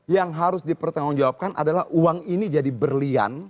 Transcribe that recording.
yang harus dipertanggungjawabkan adalah uang ini jadi berlian